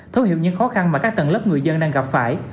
thấu hiểu những khó khăn mà các tầng lớp người dân đang gặp phải